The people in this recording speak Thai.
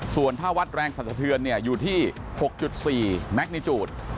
ส่วนถ้าวัดแรงสันสะเทือนอยู่ที่๖๔แมคนิจูตร